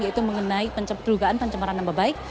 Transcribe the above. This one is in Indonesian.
yaitu mengenai dugaan pencemaran nama baik